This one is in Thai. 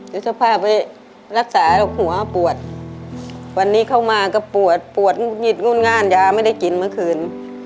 สภาพไปรักษาหรอกหัวปวดวันนี้เข้ามาก็ปวดปวดงุดหงิดงุ่นง่านยาไม่ได้กินเมื่อคืน